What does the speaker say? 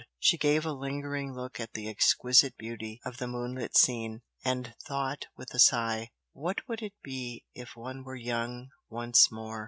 She gave a lingering look at the exquisite beauty of the moonlit scene, and thought with a sigh "What it would be if one were young once more!"